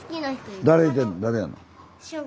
誰やの？